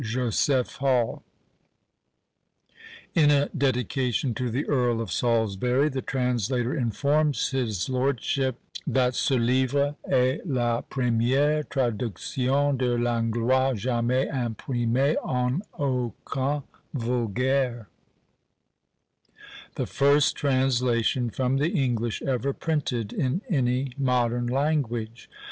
Josef Hall_. In a dedication to the Earl of Salisbury, the translator informs his lordship that "ce livre est la première traduction de l'Anglois jamais imprimée en aucun vulgaire" the first translation from the English ever printed in any modern language!